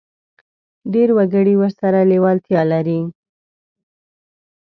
ډېر وګړي ورسره لېوالتیا لري.